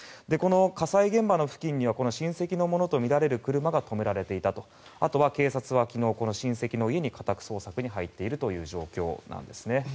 火災現場付近には親戚のものとみられる車が止められていてあとは警察は昨日親戚の家に家宅捜索に入っているという状況なんですね。